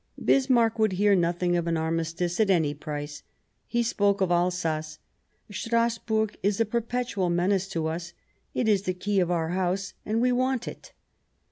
Bismarck would hear nothing of an armistice at any price. He spoke of Alsace :" Strasburg is a perpetual menace to us. It is the key of our house, and we want it."